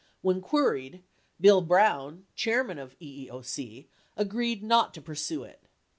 When queried, Bill Brown, Chairman of EEOC, agreed not to pur sue it.